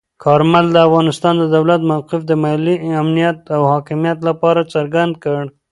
کارمل د افغانستان د دولت موقف د ملي امنیت او حاکمیت لپاره څرګند کړ.